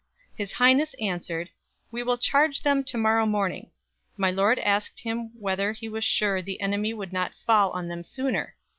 His highness answered, 'Wee will charge them to morrow morninge.' My lord asked him whether he were sure the enimy would not fall on them sooner?